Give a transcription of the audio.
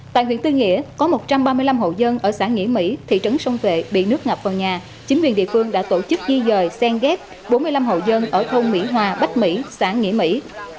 tại huyện tư nghĩa có một trăm ba mươi năm hộ dân ở xã nghĩa mỹ thị trấn sông vệ bị nước ngập vào nhà chính quyền địa phương đã tổ chức di dời sen ghép bốn mươi năm hộ dân ở thôn mỹ hòa bách mỹ xã nghĩa mỹ